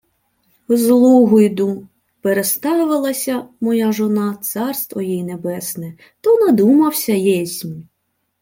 — З Лугу йду. Переставилася, моя жона, царство їй небесне, то надумався єсмь...